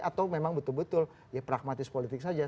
atau memang betul betul ya pragmatis politik saja